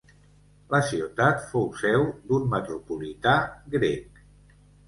La ciutat fou seu d'un metropolità grec.